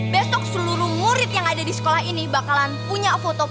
besok seluruh murid yang ada di sekolah ini bakalan punya foto foto